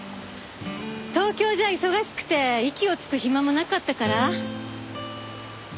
東京じゃ忙しくて息をつく暇もなかったから。